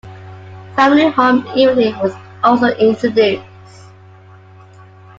Family Home Evening was also introduced.